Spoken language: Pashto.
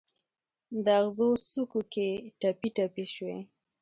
د اغزو څوکو کې ټپي، ټپي شوي